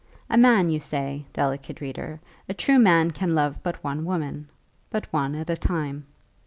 A man, you say, delicate reader, a true man can love but one woman, but one at a time.